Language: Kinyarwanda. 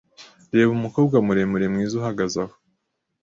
Reba umukobwa muremure mwiza uhagaze aho.